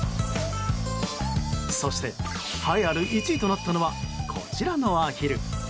そして栄えある１位となったのはこちらのアヒル。